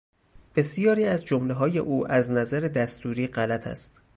بسیاری از جملههای او از نظر دستوری غلط است.